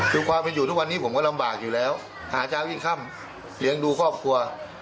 คือความเป็นอยู่ทุกวันนี้ผมก็ลำบากอยู่แล้วหาเช้ายิ่งค่ำเลี้ยงดูครอบครัว